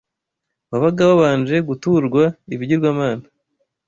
wabaga wabanje guturwa ibigirwamana